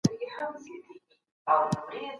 د تور چای زیات کارول ښه نه دي.